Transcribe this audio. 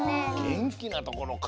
げんきなところか。